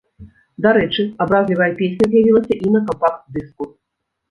Дарэчы, абразлівая песня з'явілася і на кампакт-дыску.